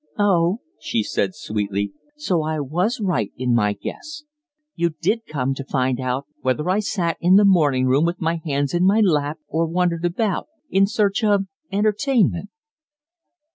"Oh," she said, sweetly, "so I was right in my guess? You did come to find out whether I sat in the morning room with my hands in my lap or wandered about in search of entertainment?"